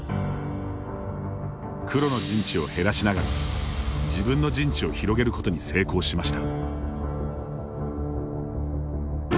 黒の陣地を減らしながら自分の陣地を広げることに成功しました。